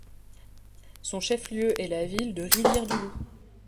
Son chef-lieu est la ville de Rivière-du-Loup.